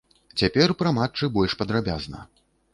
Цяпер пра матчы больш падрабязна.